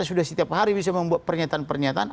sudah setiap hari bisa membuat pernyataan pernyataan